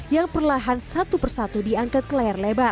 yang perlahan satu persatu diangkat ke layar lebar